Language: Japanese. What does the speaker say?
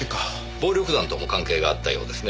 暴力団とも関係があったようですねぇ。